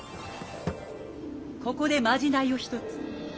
ここでまじないをひとつ。